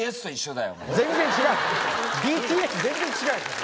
ＢＴＳ全然違うよ。